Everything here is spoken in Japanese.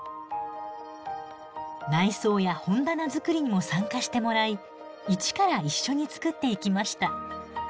内装や本棚作りにも参加してもらい一から一緒に作っていきました。